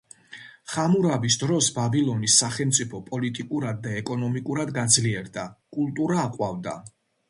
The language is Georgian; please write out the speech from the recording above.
ხამურაბის დროს ბაბილონის სახელმწიფო პოლიტიკურად და ეკონომიკურად გაძლიერდა, კულტურა აყვავდა.